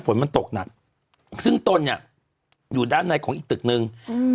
ฝนมันตกหนักซึ่งตนเนี้ยอยู่ด้านในของอีกตึกนึงอืม